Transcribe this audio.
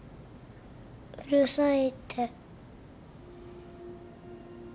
うるさいって。